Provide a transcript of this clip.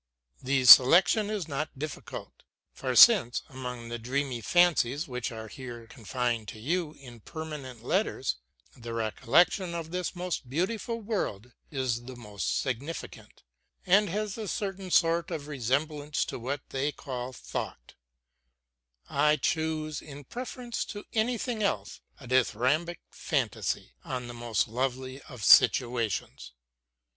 The selection is not difficult. For since, among the dreamy fancies which are here confided to you in permanent letters, the recollection of this most beautiful world is the most significant, and has a certain sort of resemblance to what they call thought, I choose in preference to anything else a dithyrambic fantasy on the most lovely of situations.